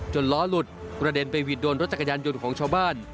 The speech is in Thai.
ล้อหลุดกระเด็นไปหวิดโดนรถจักรยานยนต์ของชาวบ้าน